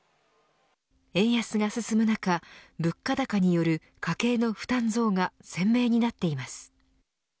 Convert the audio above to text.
円安が進む中、物価高による家計の負担増が鮮明になっています。